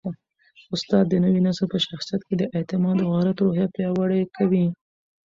استاد د نوي نسل په شخصیت کي د اعتماد او غیرت روحیه پیاوړې کوي.